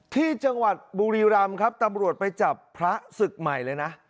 ที่จังหวัดบุรีรำครับตำรวจไปจับพระศึกใหม่เลยนะ